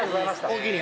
おおきに！